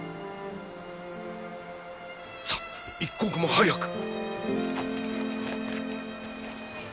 さっ一刻も早く！